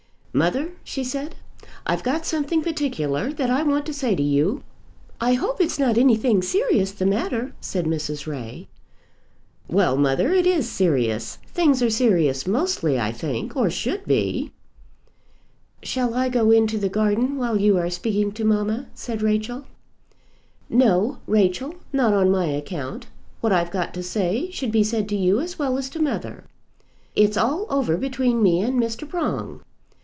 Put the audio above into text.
"Mother," she said, "I've got something particular that I want to say to you." "I hope it's not anything serious the matter," said Mrs. Ray. "Well, mother, it is serious. Things are serious mostly, I think, or should be." "Shall I go into the garden while you are speaking to mamma?" said Rachel. "No, Rachel; not on my account. What I've got to say should be said to you as well as to mother. It's all over between me and Mr. Prong."